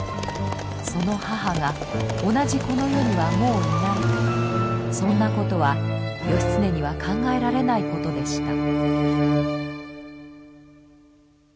その母が同じこの世にはもういないそんなことは義経には考えられないことでした。